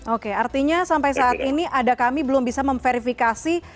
oke artinya sampai saat ini ada kami belum bisa memverifikasi